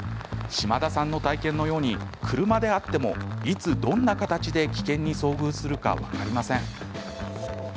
島田さんの体験のように車であっても、いつどんな形で危険に遭遇するか分かりません。